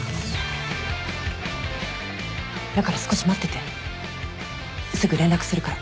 だから少し待っててすぐ連絡するから。